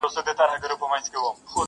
خو ټول حقيقت نه مومي هېڅکله.